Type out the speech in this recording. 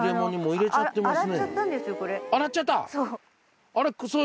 洗っちゃった？